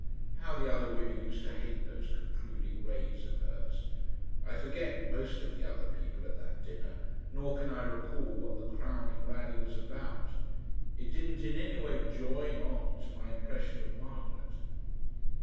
How the other women used to hate those concluding raids of hers! I forget most of the other people at that dinner, nor can I recall what the crowning rally was about. It didn't in any way join on to my impression of Margaret.